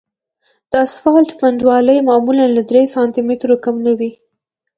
د اسفالټ پنډوالی معمولاً له درې سانتي مترو کم نه وي